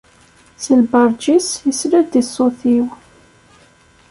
Si lberǧ-is, isla-d i ṣṣut-iw.